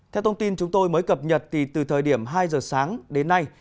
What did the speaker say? theo thông tin chúng tôi mới cập nhật thì từ thời điểm hai giờ sáng đến nay